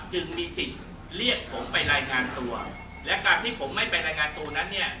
จึงมีสิทธิ์เรียกผมไปรายงานตัวและการที่ผมไม่ไปรายงานตัวนั้นเนี่ย